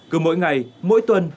cứ mỗi ngày mỗi tuần